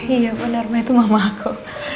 iya benar mbak itu mama aku